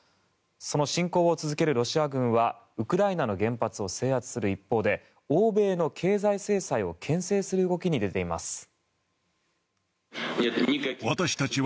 その侵攻を続けるロシア軍はウクライナの原発を制圧する一方で欧米の経済制裁を牽制する動きに出ています。